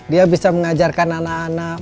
dia bisa mengajarkan anak anak